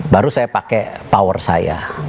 baru saya pakai power saya